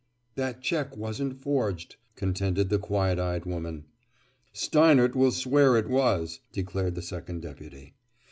"That check wasn't forged," contended the quiet eyed woman. "Steinert will swear it was," declared the Second Deputy.